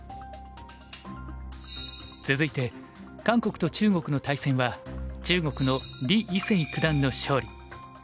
続いて韓国と中国の対戦は中国の李維清九段の勝利。